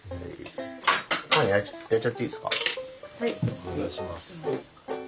お願いします。